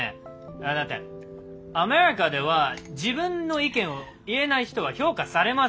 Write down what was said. だってアメリカでは自分の意見を言えない人は評価されません。